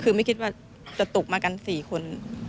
คือไม่คิดว่าจะตกมากัน๔คน